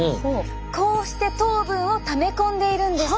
こうして糖分をため込んでいるんです。